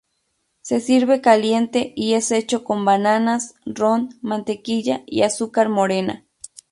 Se sirve caliente y es hecho con bananas, ron, mantequilla, y azúcar morena.